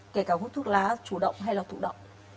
kể cả hút thuốc lá chủ động hay là tụ động